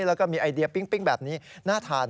แล้วก็มีไอเดียปิ้งแบบนี้น่าทาน